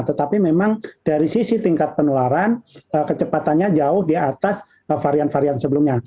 tetapi memang dari sisi tingkat penularan kecepatannya jauh di atas varian varian sebelumnya